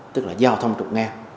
tức là giao thông trục nga